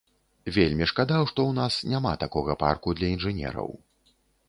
Вельмі шкада, што ў нас няма такога парку для інжынераў.